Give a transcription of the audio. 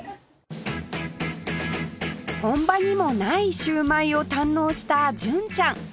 本場にもないシューマイを堪能した純ちゃん